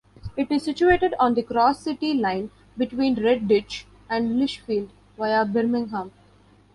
It is situated on the Cross-City Line between Redditch and Lichfield via Birmingham.